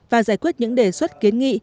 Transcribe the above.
và giải quyết những đề xuất kiến nghị